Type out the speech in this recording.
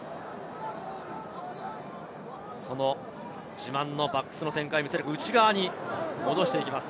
自慢のバックスの展開を見せる、内側に戻してきます。